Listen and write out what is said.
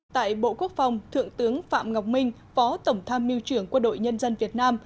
tại bộ quốc phòng thượng tướng phạm ngọc minh phó tổng tham miêu trưởng quân đội nhân dân việt nam